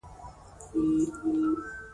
ډاکتر ولاړ خو د هغه خبرې مې په ذهن کښې پاتې وې.